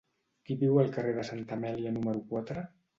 Qui viu al carrer de Santa Amèlia número quatre?